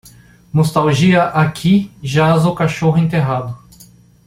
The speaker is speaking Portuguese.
nostalgia Aqui jaz o cachorro enterrado